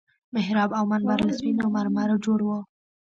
محراب او منبر له سپينو مرمرو جوړ وو.